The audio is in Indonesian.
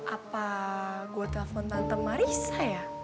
apa gue telepon tante marissa ya